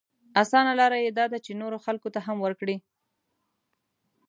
اسانه لاره يې دا ده چې نورو خلکو ته هم ورکړي.